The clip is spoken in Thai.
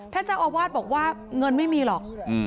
เจ้าอาวาสบอกว่าเงินไม่มีหรอก